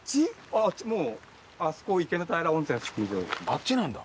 あっちなんだ。